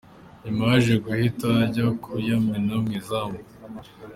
Nyuma yaje guhita ajya kuyamena mu izamu.